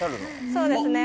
そうですね